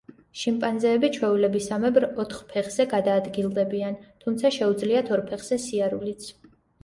შიმპანზეები ჩვეულებისამებრ ოთხ ფეხზე გადაადგილდებიან, თუმცა შეუძლიათ ორ ფეხზე სიარულიც.